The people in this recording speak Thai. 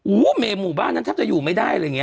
โอ้โหเมหมู่บ้านนั้นแทบจะอยู่ไม่ได้อะไรอย่างนี้